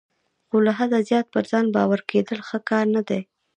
خو له حده زیات پر ځان باوري کیدل ښه کار نه دی.